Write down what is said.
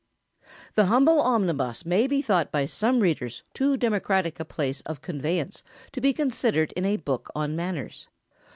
] The humble omnibus may be thought by some readers too democratic a kind of conveyance to be considered in a book on Manners.